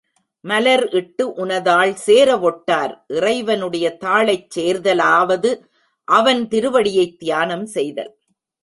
மலர்இட்டு உனதாள் சேரவொட்டார் இறைவனுடைய தாளைச் சேர்தலாவது அவன் திருவடியைத் தியானம் செய்தல்.